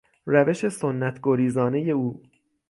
روش سنت گریزانهی او